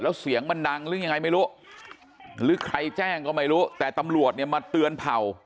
แล้วเสียงมันดังหรือยังไงไม่รู้หรือใครแจ้งก็ไม่รู้แต่ตำรวจเนี่ยมาเตือนเผ่า